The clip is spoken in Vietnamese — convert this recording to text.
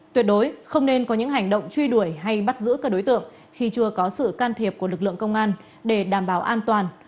tuyệt đối không nên có những hành động truy đuổi hay bắt giữ các đối tượng khi chưa có sự can thiệp của lực lượng công an để đảm bảo an toàn